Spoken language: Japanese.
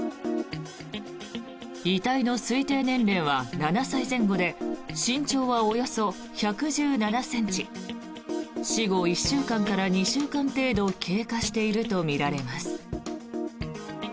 遺体の推定年齢は７歳前後で身長はおよそ１１７ｃｍ死後１週間から２週間程度経過しているとみられます。